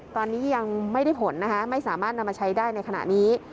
ตอนนี้ยังไม่ได้ผลนะคะไม่สามารถนำมาใช้ได้ในขณะนี้